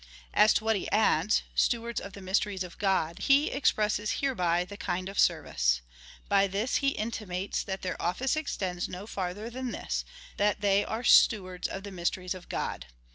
As to what he adds — stewards of the mysteries of God, he expresses hereby the kind of service. By this he intimates, that their office extends no fai'ther than this, that they are stewards of the mysteries of God.